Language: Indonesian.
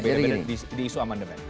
berbeda beda di isu amandemen ya jadi gini